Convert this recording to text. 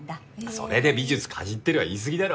それで美術かじってるは言い過ぎだろ。